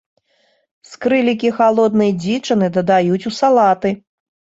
Скрылікі халоднай дзічыны дадаюць у салаты.